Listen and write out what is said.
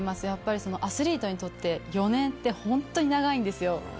やっぱり、アスリートにとって、４年って本当に長いんですよ。